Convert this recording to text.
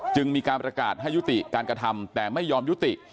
จึงมีการประกาศให้ยุติการกระทำแต่ไม่ยอมยุติ